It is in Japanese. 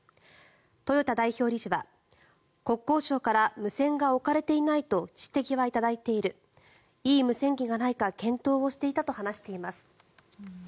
豊田代表理事は国交省から無線が置かれていないと指摘はいただいているいい無線機がないか検討をしていたと話しています。